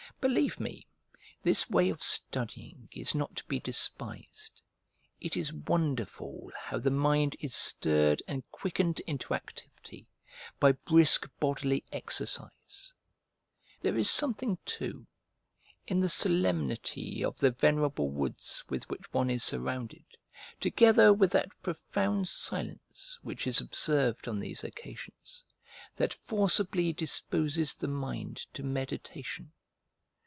Believe me, this way of studying is not to be despised: it is wonderful how the mind is stirred and quickened into activity by brisk bodily exercise. There is something, too, in the solemnity of the venerable woods with which one is surrounded, together with that profound silence which is observed on these occasions, that forcibly disposes the mind to meditation.